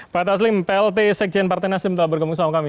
pak taslim plt sekjen partai nasdem telah bergabung sama kami